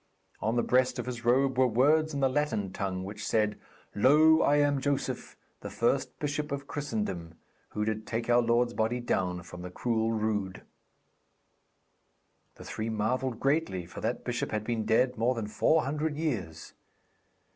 On the breast of his robe were words in the Latin tongue, which said, 'Lo, I am Joseph, the first bishop of Christendom, who did take our Lord's body down from the cruel rood.' The three marvelled greatly, for that bishop had been dead more than four hundred years.